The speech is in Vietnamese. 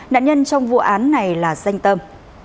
nạn nhân trong vụ án này là xanh tâm